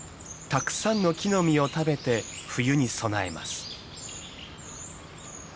たくさんの木の実を食べて冬に備えます。